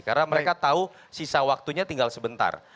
karena mereka tahu sisa waktunya tinggal sebentar